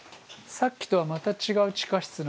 さっきとはまた違う地下室なんですけど。